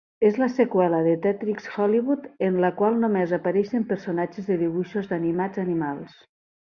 És la seqüela de "Theatrix's Hollywood", en la qual només apareixien personatges de dibuixos animats d'animals.